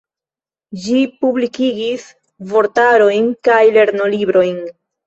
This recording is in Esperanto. Ĝi publikigis vortarojn kaj lernolibrojn.